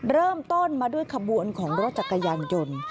เริ่มต้นมาด้วยขบวนของรถจักรยานยนต์